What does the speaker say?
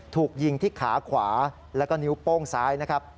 ถูกยิงที่ขาขวาแล้วก็นิ้วโป้งซ้ายนะครับ